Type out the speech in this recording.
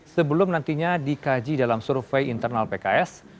sebelum nantinya dikaji dalam survei internal pks